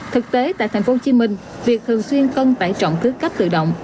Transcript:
thực tế tại tp hcm việc thường xuyên cân tải trọng thứ cấp tự động